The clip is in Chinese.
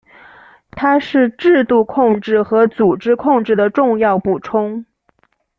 它是制度控制和组织控制的重要补充。